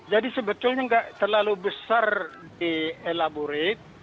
jadi sebetulnya nggak terlalu besar dielaborate